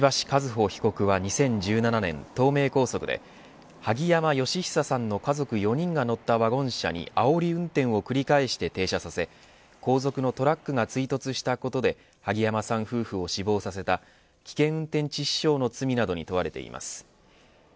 和歩被告は２０１７年東名高速で萩山嘉久さんの家族４人が乗ったワゴン車にあおり運転を繰り返して停車させ後続のトラックが追突したことで萩山さん夫婦を死亡させた危険運転致死傷の罪などに問われています。